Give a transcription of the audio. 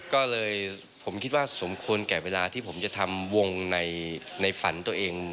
ก็เลยผมคิดว่าสมควรแก่เวลาที่ผมจะทำวงในฝันตัวเอง